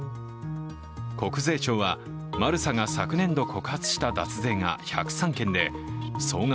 国税庁は、マルサが昨年度告発した脱税が１０３件で総額